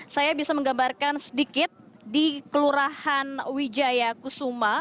saya bisa menggambarkan sedikit di kelurahan wijaya kusuma